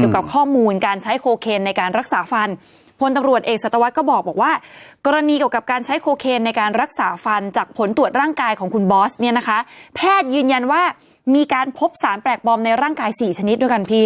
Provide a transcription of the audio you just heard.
เกี่ยวกับข้อมูลการใช้โคเคนในการรักษาฟันพลตำรวจเอกสัตวรรษก็บอกว่ากรณีเกี่ยวกับการใช้โคเคนในการรักษาฟันจากผลตรวจร่างกายของคุณบอสเนี่ยนะคะแพทย์ยืนยันว่ามีการพบสารแปลกปลอมในร่างกายสี่ชนิดด้วยกันพี่